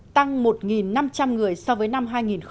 tăng một năm trăm linh người so với năm hai nghìn một mươi